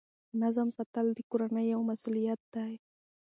نظم ساتل د کورنۍ یوه مسؤلیت ده.